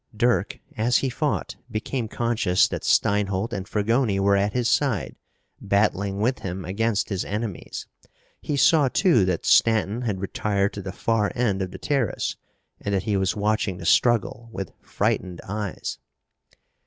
Dirk, as he fought, became conscious that Steinholt and Fragoni were at his side, battling with him against his enemies. He saw, too, that Stanton had retired to the far end of the terrace and that he was watching the struggle with frightened eyes.